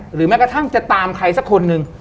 แม้กระทั่งจะตามใครสักคนหนึ่ง